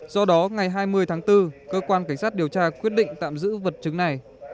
do đó ngày hai mươi tháng bốn cơ quan cảnh sát điều tra quyết định tạm giữ vật chứng này